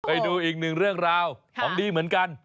ไปดูอีกหนึ่งเรื่องราวของดีเหมือนกัน